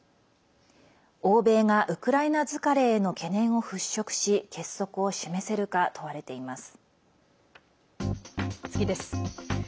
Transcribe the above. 欧米がウクライナ疲れへの懸念をふっしょくし結束を示せるか問われています。